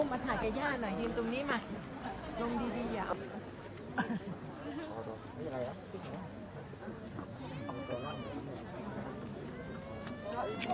เมื่อเวลามีเวลาที่มีเวลาที่ไม่เห็น